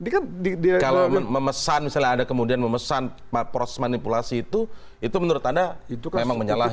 kalau memesan misalnya ada kemudian memesan proses manipulasi itu itu menurut anda memang menyalahi